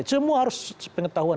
semua harus pengetahuan